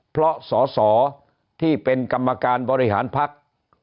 เพราะสอสอที่เป็นกรรมการบริหารภักดิ์